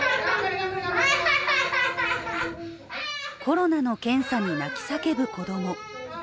コロナの検査に泣き叫ぶ子供。